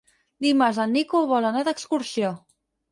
Dimarts en Nico vol anar d'excursió.